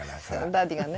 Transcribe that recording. ダディがね。